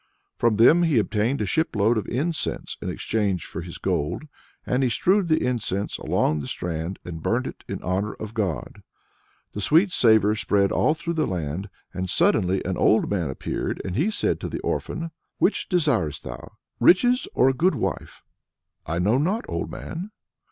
From them he obtained a shipload of incense in exchange for his gold, and he strewed the incense along the strand, and burnt it in honor of God. The sweet savor spread through all that land, and suddenly an old man appeared, and he said to the orphan: "Which desirest thou riches, or a good wife?" "I know not, old man."